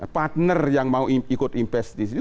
partner yang mau ikut invest disitu